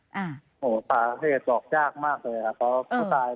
สาเหตุบอกยากมากเลยครับเพราะว่า